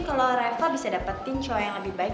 kalo reva bisa dapetin cowok yang lebih baik